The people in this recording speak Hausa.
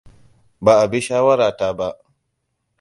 Ba a bi shawarata ba.